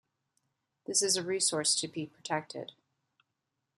This is a resource to be protected.